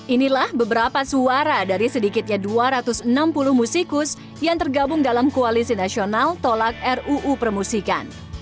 inilah beberapa suara dari sedikitnya dua ratus enam puluh musikus yang tergabung dalam koalisi nasional tolak ruu permusikan